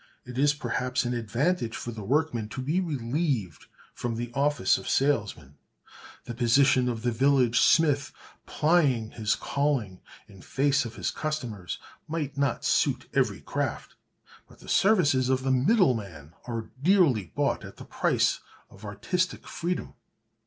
It is, perhaps, an advantage for the workman to be relieved from the office of salesman; the position of the village smith plying his calling in face of his customers might not suit every craft, but the services of the middleman are dearly bought at the price of artistic freedom.